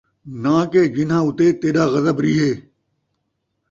۔ نہ کہ جِنھاں اُتے تیݙا غضب رِیہے،